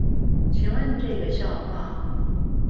請問這個笑話